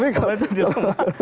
kalau itu dilemah